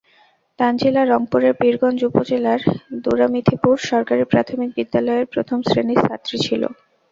তানজিলা রংপুরের পীরগঞ্জ উপজেলার দুরামিথিপুর সরকারি প্রাথমিক বিদ্যালয়ের প্রথম শ্রেণির ছাত্রী ছিল।